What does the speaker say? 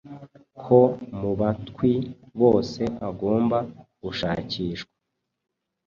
Ko mubatwi bose agomba gushakisha